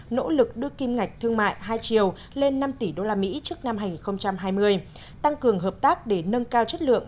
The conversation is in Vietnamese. nỗ lực đưa kim ngạch thương mại hai triệu lên năm tỷ usd trước năm hai nghìn hai mươi tăng cường hợp tác để nâng cao chất lượng